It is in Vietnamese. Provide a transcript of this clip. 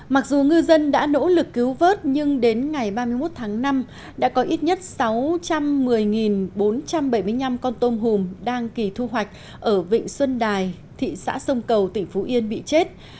mặc dù ngư dân đã nỗ lực cứu vớt nhưng đến ngày ba mươi một tháng năm đã có ít nhất sáu trăm một mươi bốn trăm bảy mươi năm con tôm hùm đang kỳ thu hoạch ở vịnh xuân đài thị xã sông cầu tỉnh phú yên bị chết